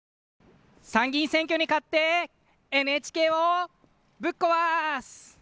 参議院選挙に勝ってＮＨＫをぶっ壊す。